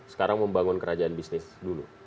sekarang membangun kerajaan bisnis dulu